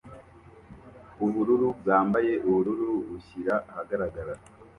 Ubururu bwambaye ubururu bushyira ahagaragara